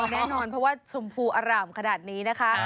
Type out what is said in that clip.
แน่นอนเพราะว่าชมพูอร่ามขนาดนี้นะคะ